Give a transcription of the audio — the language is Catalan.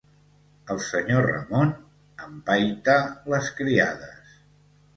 El senyor Ramon empaita les criades